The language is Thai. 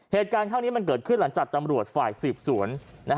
เหตุการณ์เท่านี้มันเกิดขึ้นหลังจากตำรวจฝ่ายสืบสวน